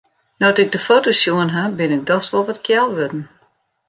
No't ik de foto's sjoen ha, bin ik dochs wol wat kjel wurden.